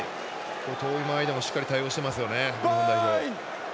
遠い間合いでもしっかり対応してますよね日本代表。